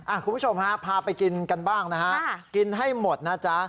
คุณผู้ชมฮะพาไปกินกันบ้างนะฮะกินให้หมดนะจ๊ะ